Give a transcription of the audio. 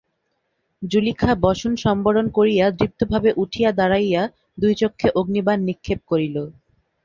জুলিখা বসন সম্বরণ করিয়া দৃপ্তভাবে উঠিয়া দাঁড়াইয়া দুই চক্ষে অগ্নিবাণ নিক্ষেপ করিল।